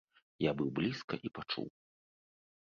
Я быў блізка і пачуў.